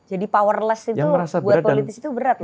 jadi powerless itu buat politisi berat loh